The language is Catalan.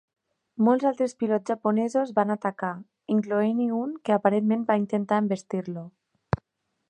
Molts altres pilots japonesos van atacar, incloent-hi un que aparentment va intentar envestir-lo.